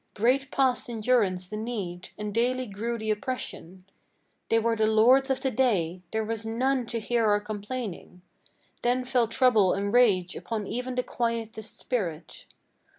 Great past endurance the need, and daily grew the oppression: They were the lords of the day; there was none to hear our complaining. Then fell trouble and rage upon even the quietest spirit.